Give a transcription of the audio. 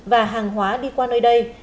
và hàng hóa đi qua nơi đây